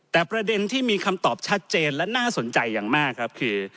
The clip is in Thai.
แต่ประเด็นที่มีคำตอบชัดเจนและน่าสนใจอย่างมากครับคือ